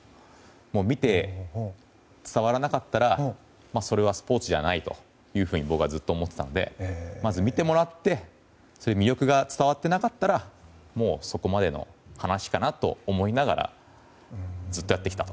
見て伝わらなかったらそれはスポーツじゃないと僕はずっと思っていたのでまず、見てもらって魅力が伝わってなかったらそこまでの話かなと思いながらずっとやってきたと。